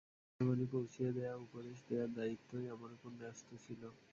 আল্লাহর বাণী পৌঁছিয়ে দেয়া ও উপদেশ দেয়ার দায়িত্বই আমার উপর ন্যস্ত ছিল।